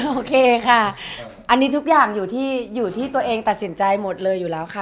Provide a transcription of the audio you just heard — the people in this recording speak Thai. โอเคค่ะอันนี้ทุกอย่างอยู่ที่ตัวเองตัดสินใจหมดเลยอยู่แล้วค่ะ